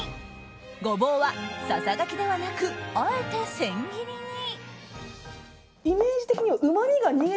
ゴボウはささがきではなくあえて千切りに。